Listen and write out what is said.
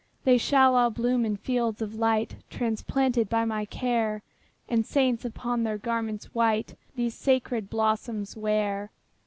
``They shall all bloom in fields of light, Transplanted by my care, And saints, upon their garments white, These sacred blossoms wear.''